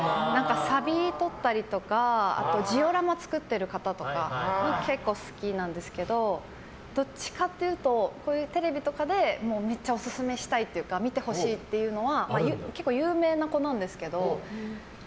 サビをとったりとかジオラマを作ってる方とか結構好きなんですけどどっちかっていうとこういうテレビとかでめっちゃオススメしたいとか見てほしいというのは結構、有名な子なんですけど。